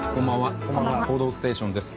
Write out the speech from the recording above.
「報道ステーション」です。